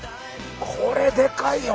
これでかいよ！